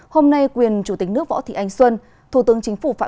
hôm nay quyền chủ tịch nước võ thị ánh xuân thủ tướng chính phủ phạm